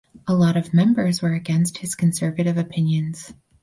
A lot of members were against his conservative opinions.